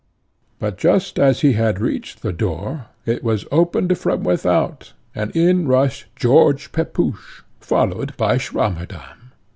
But just as he had reached the door, it was opened from without, and in rushed George Pepusch, followed by Swammerdamm.